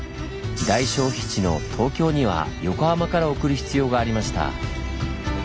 大消費地の東京には横浜から送る必要がありました。